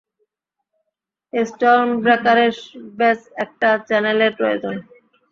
স্টর্মব্রেকারের ব্যাস একটা চ্যানেলের প্রয়োজন।